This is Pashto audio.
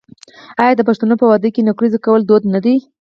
آیا د پښتنو په واده کې نکریزې کول دود نه دی؟